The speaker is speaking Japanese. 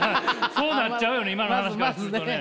そうなっちゃうよね。